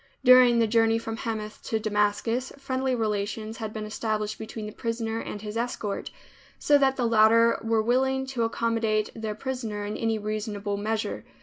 During the journey from Hamath to Damascus, friendly relations had been established between the prisoner and his escort, so that the latter were willing to accommodate their prisoner in any reasonable measure.